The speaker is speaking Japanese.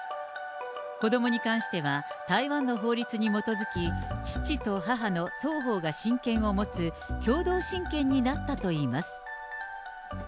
子どもに関しては、台湾の法律に基づき、父と母の双方が親権を持つ、共同親権になったといいます。